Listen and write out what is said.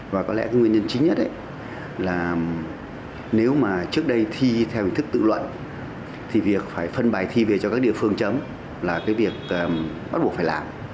và có lẽ nguyên nhân chính nhất là nếu mà trước đây thi theo hình thức tự luận thì việc phải phân bài thi về cho các địa phương chấm là cái việc bắt buộc phải làm